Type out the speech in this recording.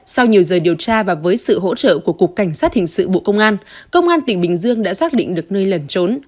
sau nhiều giờ điều tra và với sự hỗ trợ của cục cảnh sát hình sự bộ công an công an tỉnh bình dương đã xác định được nơi lẩn trốn